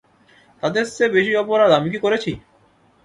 তাদের চেয়ে বেশি অপরাধ আমি কী করেছি?